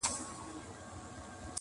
عبث ژوند دي نژدې سوی تر شپېتو دی,